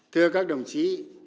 thưa các đồng chí